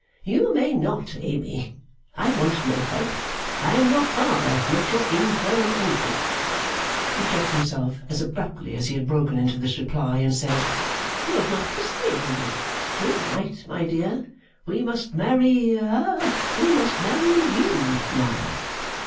'You may not, Amy. I want no help. I am your father, not your infirm uncle!' He checked himself, as abruptly as he had broken into this reply, and said, 'You have not kissed me, Amy. Good night, my dear! We must marry ha we must marry you, now.